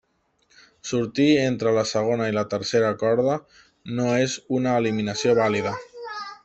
Sortir entre la segona i la tercera corda no és una eliminació vàlida.